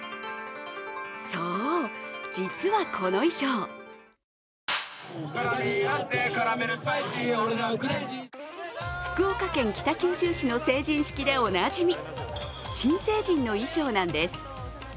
そう、実はこの衣装福岡県北九州市の成人式でおなじみ新成人の衣装なんです。